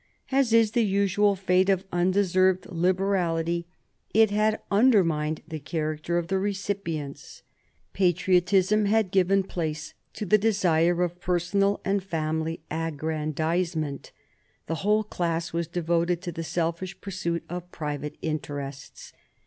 As is the usual fate of undeserved liberality, it had undermined the character of the recipients. Patriotism had given place to the desire of personal and family aggrandisement; the whole class was devoted to the selfish pursuit of private interests.